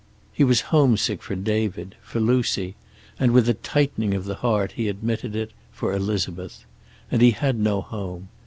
He was homesick for David, for Lucy, and, with a tightening of the heart he admitted it, for Elizabeth. And he had no home.